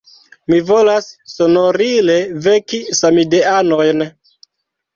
Mi volas sonorile veki samideanojn!